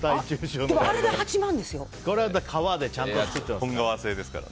革でちゃんと作ってますから。